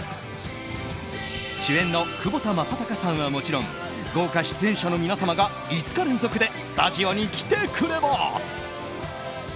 主演の窪田正孝さんはもちろん豪華出演者の皆様が５日連続でスタジオに来てくれます。